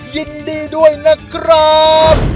ยินดีด้วยนะครับ